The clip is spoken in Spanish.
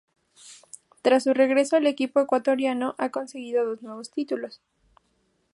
Tras su regreso al equipo ecuatoriano, ha conseguido dos nuevos títulos.